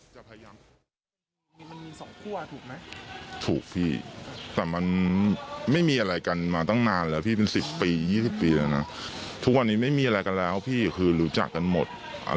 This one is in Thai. มันมีสองคั่วถูกไหมถูกพี่แต่มันไม่มีอะไรกันมาตั้งนานแล้วพี่เป็น๑๐ปี๒๐ปีแล้วนะทุกวันนี้ไม่มีอะไรกันแล้วพี่คือรู้จักกันหมด